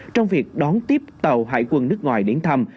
trong việc đón tiếp tàu hải quân nước ngoài đến thăm